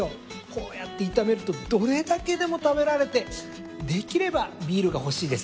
こうやって炒めるとどれだけでも食べられてできればビールが欲しいですね。